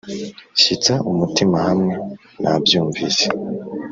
shyitsa umutima hamwe nabyumvise!